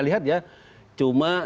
lihat ya cuma